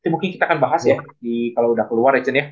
mungkin kita akan bahas ya kalo udah keluar ya